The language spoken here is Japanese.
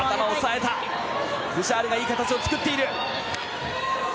ブシャールがいい形を作っている。